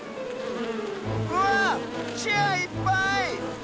うわっチェアいっぱい！